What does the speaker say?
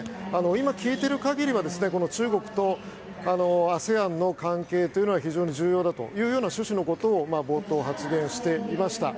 今、聞いている限りは中国とＡＳＥＡＮの関係というのは非常に重要だという趣旨のことを冒頭、発言していました。